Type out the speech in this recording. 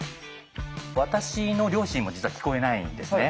私の両親も実は聞こえないんですね。